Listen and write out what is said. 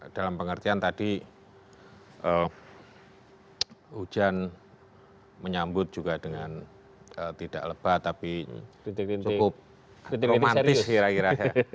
dalam pengertian tadi hujan menyambut juga dengan tidak lebat tapi cukup romantis kira kira ya